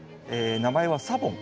名前はサボン。